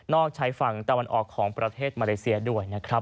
นอกใช้ฝั่งตะวันออกของประเทศมาเลเซียด้วย